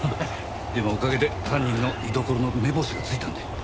でもおかげで犯人の居所の目星がついたんで。